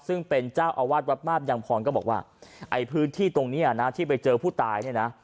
ซึ่งเป็นเจ้าอาวาสวัดมาบยังพรก็บอกว่าไอ้พื้นที่ตรงนี้นะที่ไปเจอผู้ตายเนี่ยนะ